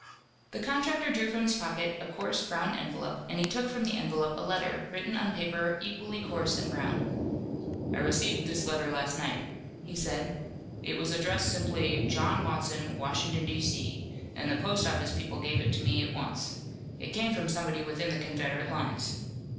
The contractor drew from his pocket a coarse brown envelope, and he took from the envelope a letter, written on paper equally coarse and brown. "I received this letter last night," he said. "It was addressed simply 'John Watson, Washington, D. C.,' and the post office people gave it to me at once. It came from somebody within the Confederate lines.